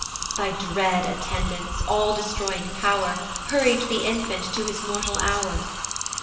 Thy dread attendants, all destroying Pow'r, Hurried the infant to his mortal hour.